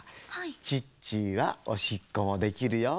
「チッチ」は「おしっこもできるよ」。